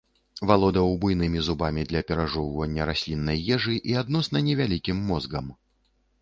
Валодаў буйнымі зубамі для перажоўвання расліннай ежы і адносна невялікім мозгам.